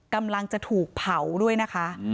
กำลังจะถูกเผาด้วยนะคะ